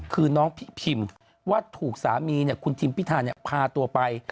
คือน้องพี่พิมว่าถูกสามีคุณทิมพิธาพาตัวไป